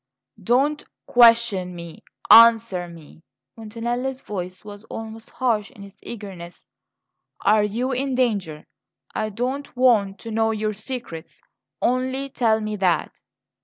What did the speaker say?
"Don't question me answer me!" Montanelli's voice was almost harsh in its eagerness. "Are you in danger? I don't want to know your secrets; only tell me that!"